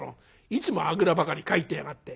いつもあぐらばかりかいてやがって！